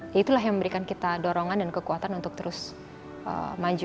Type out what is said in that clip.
ya itulah yang memberikan kita dorongan dan kekuatan untuk terus maju